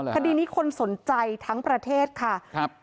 คดีนี้คนสนใจทั้งประเทศค่ะ